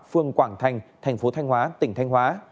phương quảng thành thành phố thanh hóa tỉnh thanh hóa